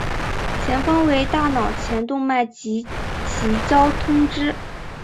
前方为大脑前动脉及其交通支。